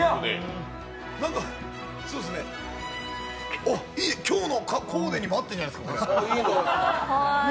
なんか、いい、今日のコーデにも合ってるんじゃないですか。